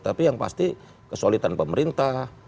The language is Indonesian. tapi yang pasti kesulitan pemerintah